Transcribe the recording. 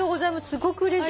すごくうれしい。